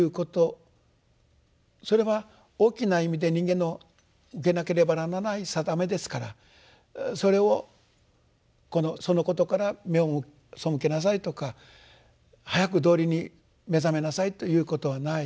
それは大きな意味で人間の受けなければならない定めですからそれをそのことから目を背けなさいとか早く道理に目覚めなさいということはない。